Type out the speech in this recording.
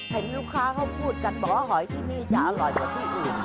เห็นลูกค้าเขาพูดกันบอกว่าหอยที่นี่จะอร่อยกว่าที่อื่น